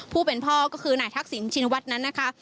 ผู้เป็นพ่อก็คือนายทักษิณชินวัฒน์นั้นนะคะ